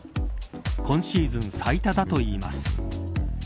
今シーズン最多だといいます。